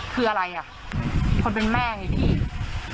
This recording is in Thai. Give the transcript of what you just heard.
คืออะไรอ่ะคนเป็นแม่ไงพี่